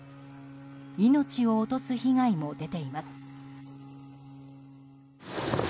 命を落とす被害も出ています。